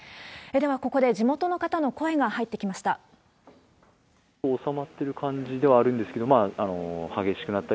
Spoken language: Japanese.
では、ここで地元の方の声が入ってきました。